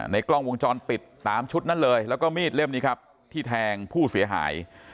กล้องวงจรปิดตามชุดนั้นเลยแล้วก็มีดเล่มนี้ครับที่แทงผู้เสียหาย